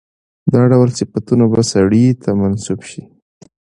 دا ټول صفتونه به سړي ته منسوب شي.